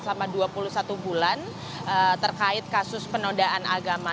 selama dua puluh satu bulan terkait kasus penodaan agama